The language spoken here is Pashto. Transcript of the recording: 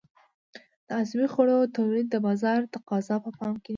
د عضوي خوړو تولید د بازار تقاضا په پام کې نیول شي.